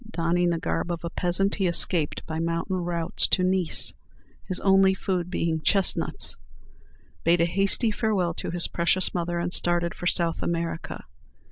Donning the garb of a peasant, he escaped by mountain routes to Nice, his only food being chestnuts, bade a hasty farewell to his precious mother, and started for South America.